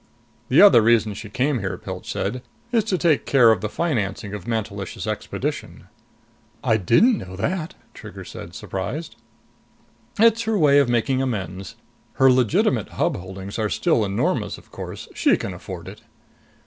"The other reason she came here," Pilch said, "is to take care of the financing of Mantelish's expedition." "I didn't know that!" Trigger said, surprised. "It's her way of making amends. Her legitimate Hub holdings are still enormous, of course. She can afford it."